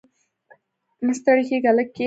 • مه ستړی کېږه، لږ کښېنه.